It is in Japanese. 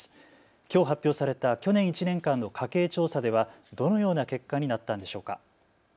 きょう発表された去年１年間の家計調査ではどのような結果になったんでしょうか。